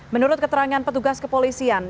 menurut keterangan petugas kepolisian